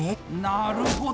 なるほど！